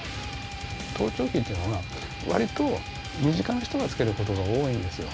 盗聴器というのは、わりと身近な人がつけることが多いんですよ。